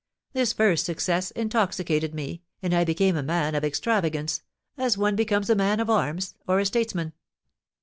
This first success intoxicated me, and I became a man of extravagance, as one becomes a man of arms, or a statesman.